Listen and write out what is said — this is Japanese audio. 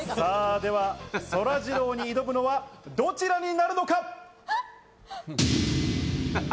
では、そらジローに挑むのはどちらになるのか？